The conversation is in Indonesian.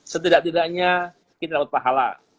setidak tidaknya kita dapat pahala